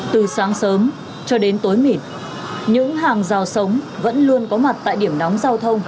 từ sáng sớm cho đến tối mịt những hàng rào sống vẫn luôn có mặt tại điểm nóng giao thông